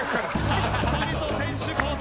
あっさりと選手交代。